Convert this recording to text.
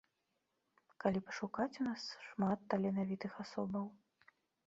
Калі пашукаць, у нас шмат таленавітых асобаў.